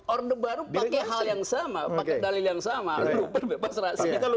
orde baru pakai hal yang sama pakai dalil yang sama lu berbebas rahasia